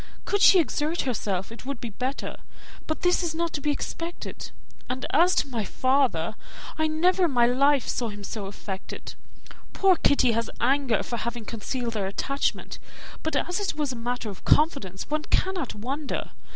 Could she exert herself, it would be better, but this is not to be expected; and as to my father, I never in my life saw him so affected. Poor Kitty has anger for having concealed their attachment; but as it was a matter of confidence, one cannot wonder.